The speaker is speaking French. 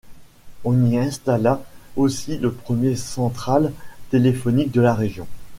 On y installa aussi le premier central téléphonique de la région.